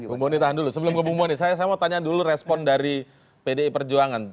bumbo nita dulu sebelum bumbo nita saya mau tanya dulu respon dari pdi perjuangan